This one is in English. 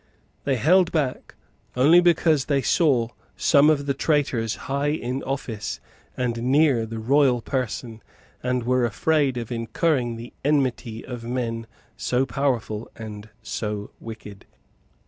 They held back only because they saw some of the traitors high in office and near the royal person, and were afraid of incurring the enmity of men so powerful and so wicked.